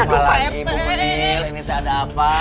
apa lagi bu pil ini tak ada apa